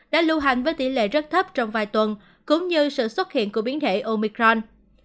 đã lưu hành với tỷ lệ rất thấp trong vài tuần cũng như sự xuất hiện của biến thể omicron